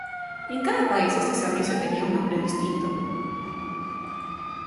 En cada país este servicio tenía un nombre distinto.